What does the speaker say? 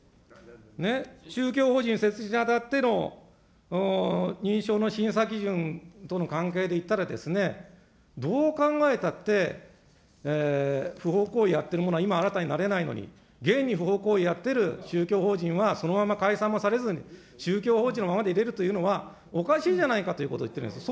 ね、宗教法人設立にあたっての認証の審査基準との関係でいったらですね、どう考えたって、不法行為やってるものは今、新たになれないのに、現に不法行為やってる宗教法人はそのまま解散もされずに、宗教法人のままでいれるというのは、おかしいじゃないかということを言ってるんです。